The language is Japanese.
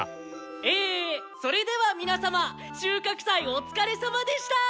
えそれでは皆様収穫祭お疲れさまでした！